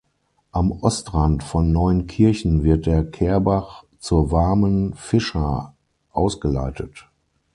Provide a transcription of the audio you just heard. Am Ostrand von Neunkirchen wird der Kehrbach zur Warmen Fischa ausgeleitet.